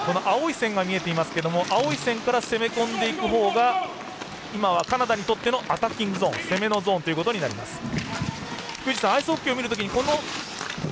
青い線が見えていますが青い線から攻め込んでいくほうが今はカナダにとってのアタッキングゾーン攻めのゾーンということになります。